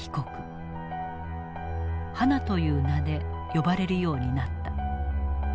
ハナという名で呼ばれるようになった。